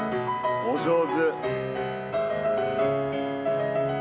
お上手。